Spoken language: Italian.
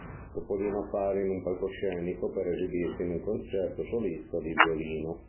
Topolino appare in un palcoscenico per esibirsi in un concerto solista di violino.